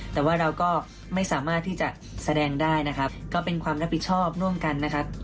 แต่ว่าเราก็ไม่สามารถที่จะแสดงได้นะครับก็เป็นความรับผิดชอบร่วมกันนะครับ